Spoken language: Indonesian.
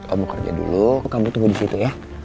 om mau kerja dulu kamu tunggu disitu ya